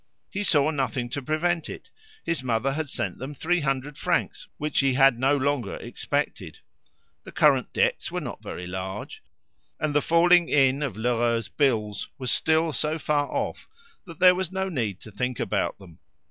He saw nothing to prevent it: his mother had sent them three hundred francs which he had no longer expected; the current debts were not very large, and the falling in of Lheureux's bills was still so far off that there was no need to think about them.